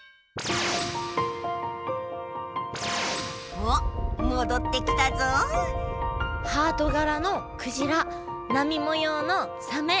おっもどってきたぞハートがらのクジラなみもようのサメ